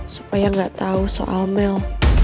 supaya gak tau soal mel